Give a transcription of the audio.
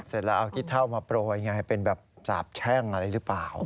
เสร็จแล้วเอาขี้เท่ามาโปรยไงเป็นแบบสาบแช่งอะไรหรือเปล่า